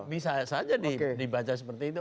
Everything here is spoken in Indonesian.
bisa aja bisa aja dibaca seperti itu